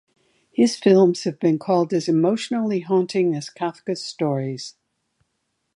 His films have been called as emotionally haunting as Kafka's stories.